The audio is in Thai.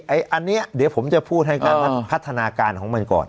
ไอ้อันนี้เดี๋ยวผมจะพูดให้กันนะครับพัฒนาการของมันก่อน